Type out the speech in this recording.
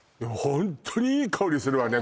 ホントにいい香りするわね